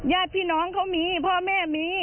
ญาติพี่น้องเขามีพ่อแม่มี